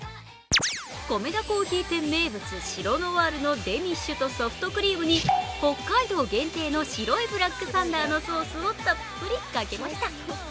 コメダ珈琲店名物・シロノワールのデニッシュとソフトクリームに北海道限定の白いブラックサンダーのソースをたっぷりかけました。